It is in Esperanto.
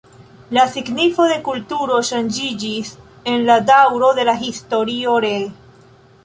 La signifo de kulturo ŝanĝiĝis en la daŭro de historio ree.